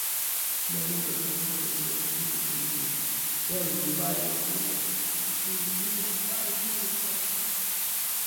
Male Liberal canvassers were seen wearing badges reading "I've been kissed by Peter Tatchell".